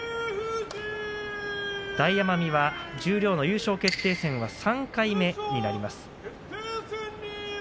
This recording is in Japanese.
大奄美は十両の優勝決定戦は３回目になります。